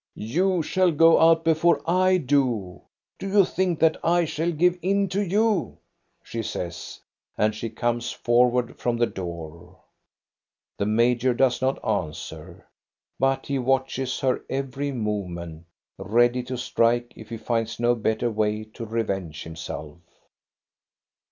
"You shall go out before I do. Do you think CHRISTMAS DAY 57 that I shall give in to you?" she says. And she comes forward from the door. The major does not answer, but he watches her every movement, ready to strike if he finds no better way to revenge himself.